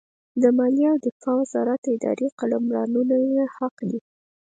د مالیې او دفاع وزارت اداري قلمدانونه یې حق دي.